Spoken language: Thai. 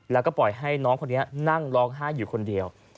แล้วก็ปล่อยให้น้องคนนี้นั่งร้องไห้อยู่คนเดียว